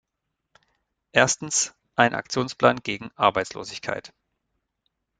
Erstens ein Aktionsplan gegen Arbeitslosigkeit.